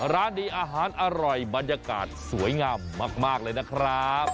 ร้านดีอาหารอร่อยบรรยากาศสวยงามมากเลยนะครับ